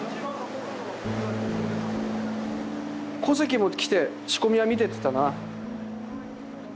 古関も来て仕込みは見てってたな。